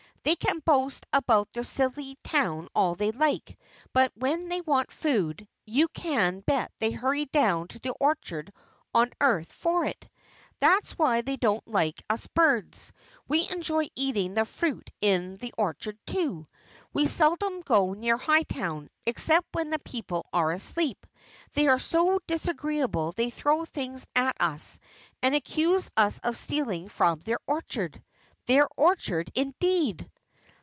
They can boast about their silly town all they like, but when they want food you can bet they hurry down to the orchard on earth for it. That's why they don't like us birds. We enjoy eating the fruit in the orchard, too. We seldom go near Hightown, except when the people are asleep. They are so disagreeable they throw things at us and accuse us of stealing from their orchard. Their orchard, indeed!"